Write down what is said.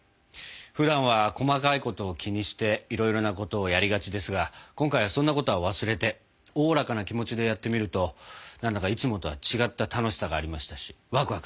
ふだんは細かいことを気にしていろいろなことをやりがちですが今回はそんなことは忘れておおらかな気持ちでやってみるとなんだかいつもとは違った楽しさがありましたしわくわくしました。